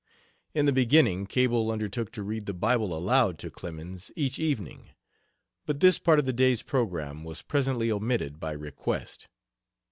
In the beginning Cable undertook to read the Bible aloud to Clemens each evening, but this part of the day's program was presently omitted by request.